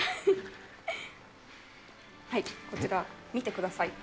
こちら、見てください。